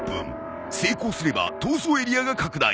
成功すれば逃走エリアが拡大。